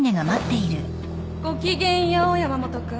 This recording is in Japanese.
ごきげんよう山本君。